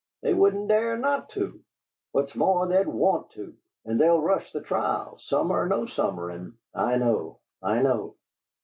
They wouldn't dare not to! What's more, they'll want to! And they'll rush the trial, summer or no summer, and " "I know, I know."